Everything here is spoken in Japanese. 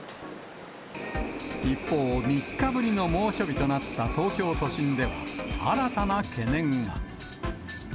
一方、３日ぶりの猛暑日となった東京都心では、新たな懸念が。